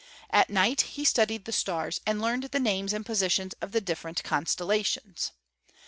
At night he studied the stars, and learned the names and positions of the different constellations.